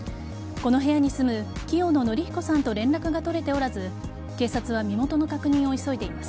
この部屋に住む清野典彦さんと連絡が取れておらず警察は身元の確認を急いでいます。